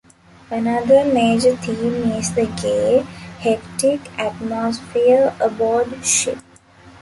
Another major theme is the gay, hectic atmosphere aboard ship.